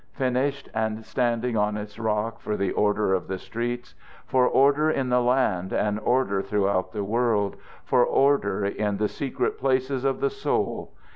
Finished and standing on its rock for the order of the streets, for order in the land and order throughout the world, for order in the secret places of the soul.